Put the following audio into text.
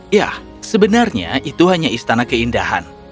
ya sebenarnya itu hanya istana keindahan